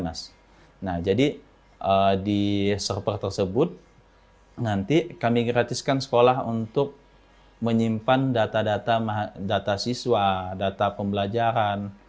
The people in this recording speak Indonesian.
nah jadi di server tersebut nanti kami gratiskan sekolah untuk menyimpan data data siswa data pembelajaran